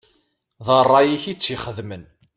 D ṛṛay-ik i tt-ixedmen.